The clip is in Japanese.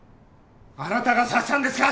あなたが指したんですか！